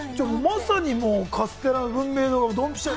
まさにカステラ、文明堂ドンピシャ。